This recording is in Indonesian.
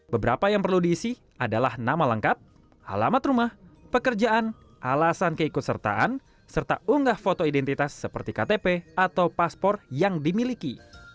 beberapa yang perlu diisi adalah nama lengkap alamat rumah pekerjaan alasan keikutsertaan serta unggah foto identitas seperti ktp atau paspor yang dimiliki